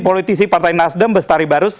politisi partai nasdem bestari barus